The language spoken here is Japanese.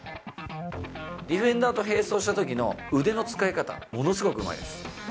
ディフェンダーと並走したときの腕の使い方、ものすごくうまいです。